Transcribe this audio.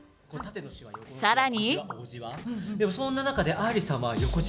さらに。